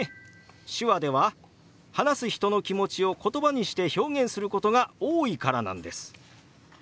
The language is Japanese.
手話では話す人の気持ちを言葉にして表現することが多いからなんです。